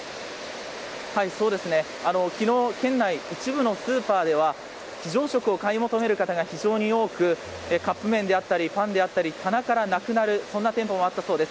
昨日、県内一部のスーパーでは非常食を買い求める方が非常に多くカップ麺やパンなどが棚からなくなる店舗もあったそうです。